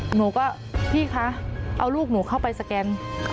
หนูก็พี่คะเอาลูกหนูเข้าไปสแกน